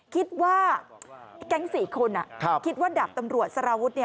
คิดว่าแก๊ง๔คนคิดว่าดาบตำรวจสารวุฒิ